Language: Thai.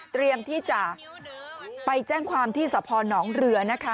เตรียมที่จะไปแจ้งความที่สพนเรือนะคะ